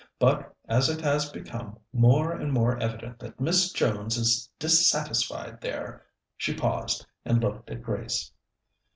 But as it has become more and more evident that Miss Jones is dissatisfied there " She paused, and looked at Grace.